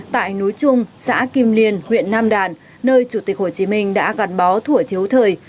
tại núi trung xã kim liên huyện nam đàn nơi chủ tịch hồ chí minh đã gắn bó thủa thiếu thời